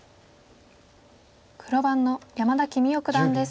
黒番の山田規三生九段です。